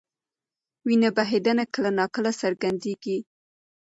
وینه بهېدنه کله ناکله څرګندېږي.